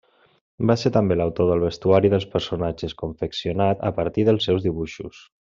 Va ser també l'autor del vestuari dels personatges, confeccionat a partir dels seus dibuixos.